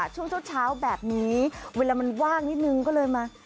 ช่วงเช้าแบบนี้เวลามันว่างนิดนึงก็เลยมา